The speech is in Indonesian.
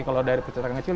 kalau dari percetakan kecil